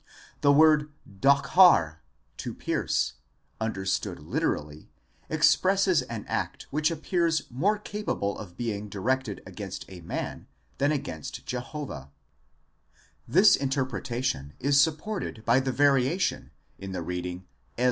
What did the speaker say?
* The word 3, 20 pierce, understood literally, expresses an act which appears more capable of being directed against a man than against Jehovah: this interpretation is supported by the variation in the reading 1.